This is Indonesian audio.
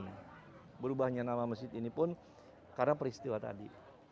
dan berubahnya nama masjid ini pun karena peristiwa tadi